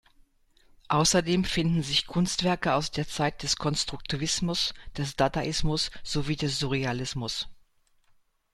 Ausserdem finden sich Kunstwerke aus der Zeit des Konstruktivismus, des Dadaismus sowie des Surrealismus.